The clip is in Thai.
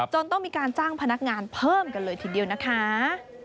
ต้องมีการจ้างพนักงานเพิ่มกันเลยทีเดียวนะคะ